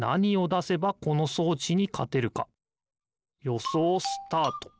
よそうスタート。